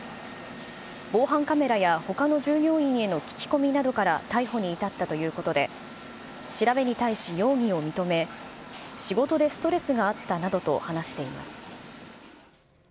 防犯カメラやほかの従業員への聞き込みなどから逮捕に至ったということで、調べに対し、容疑を認め、仕事でストレスがあったなどと話しています